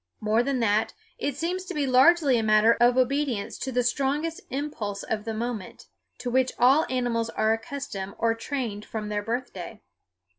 More than that, it seems to be largely a matter of obedience to the strongest impulse of the moment, to which all animals are accustomed or trained from their birthday.